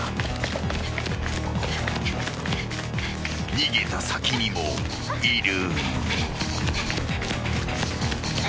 ［逃げた先にもいる］